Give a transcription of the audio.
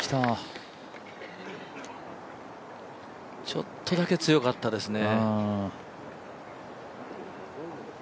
ちょっとだけ強かったですね。